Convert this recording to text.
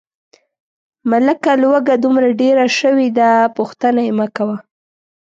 ملکه لوږه دومره ډېره شوې ده، پوښتنه یې مکوه.